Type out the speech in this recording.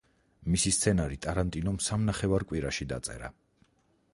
მისი სცენარი ტარანტინომ სამნახევარ კვირაში დაწერა.